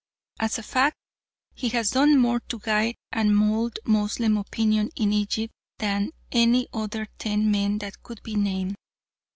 As a fact, he has done more to guide and mould Moslem opinion in Egypt than any other ten men that could be named.